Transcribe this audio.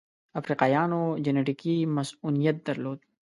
افریقایانو جنټیکي مصوونیت درلود.